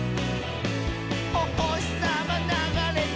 「おほしさまながれて」